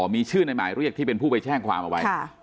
มีชื่อในหมายเรียกที่เป็นผู้ไปแจ้งความเอาไว้